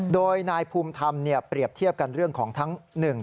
โดยนายภูมิธรรมเปรียบเทียบกันเรื่องของทั้ง